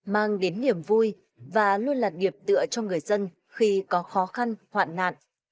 mang đến niềm vui và luôn là nghiệp tựa cho người dân khi có khó khăn hoạn nạn